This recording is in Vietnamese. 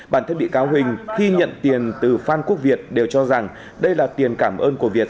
bản thân bị cáo huỳnh khi nhận tiền từ phan quốc việt đều cho rằng đây là tiền cảm ơn của việt